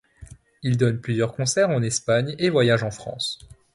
Il donne plusieurs concerts en Espagne et voyage en France.